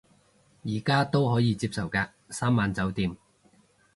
而家都可以接受嘅，三晚酒店